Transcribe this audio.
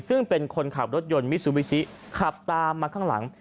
ซึ่งเป็นคนขับรถยนต์มิซูบิชิขับตามมาข้างหลัง